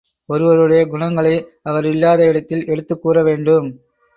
ஒருவருடைய குணங்களை அவரில்லாத இடத்தில் எடுத்துக் கூற வேண்டும்.